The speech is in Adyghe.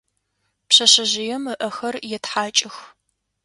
Пшъэшъэжъыем ыӏэхэр етхьакӏых.